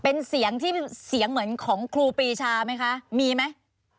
เป็นเสียงเหมือนของครูปีชาไหมคะมีไหม